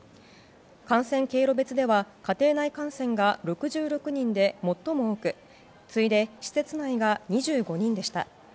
感染経路別では家庭内感染が６６人で最も多く次いで施設内が２５人でした。